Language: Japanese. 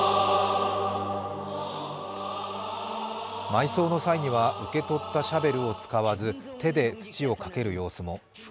埋葬の際には受け取ったシャベルを使わず手で土をかける様子も。